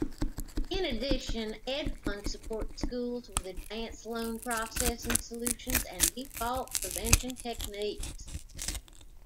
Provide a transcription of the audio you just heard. In addition, EdFund supports schools with advanced loan processing solutions and default prevention techniques.